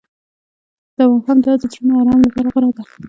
د ماښام دعا د زړونو آرام لپاره غوره ده.